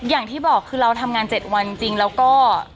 อย่างที่บอกคือเราทำงาน๗วันจริงแล้วก็